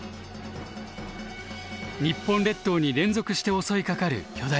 日本列島に連続して襲いかかる巨大地震。